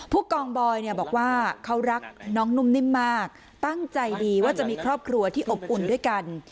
ผู้กองบอยบอกว่าเขารักน้องนุ่มนิ่มมากตั้งใจดีว่าจะมีครอบครัวที่อบอุ่นด้วยกัน